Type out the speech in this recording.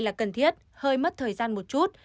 là cần thiết hơi mất thời gian một chút